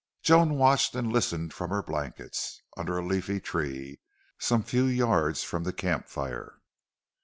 Joan watched and listened from her blankets, under a leafy tree, some few yards from the camp fire.